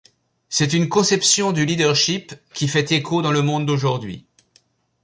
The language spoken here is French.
C'est une conception du leadership qui fait écho dans le monde d'aujourd'hui.